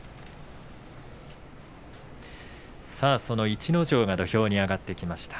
逸ノ城が土俵に上がってきました。